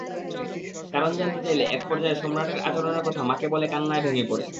কারণ জানতে চাইলে একপর্যায়ে সম্রাটের আচরণের কথা মাকে বলে কান্নায় ভেঙে পড়ে।